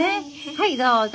はいどうぞ。